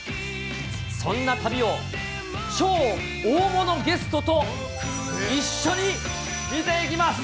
そんな旅を超大物ゲストと一緒に見ていきます。